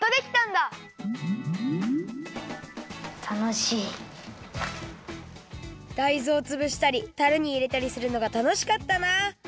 だいずをつぶしたりたるにいれたりするのがたのしかったな。